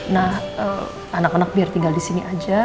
nah anak anak biar tinggal disini aja